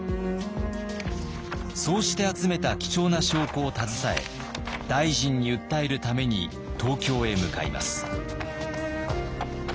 そうして集めた貴重な証拠を携え大臣に訴えるために東京へ向かいます。